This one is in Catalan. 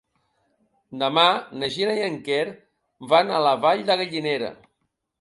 Demà na Gina i en Quer van a la Vall de Gallinera.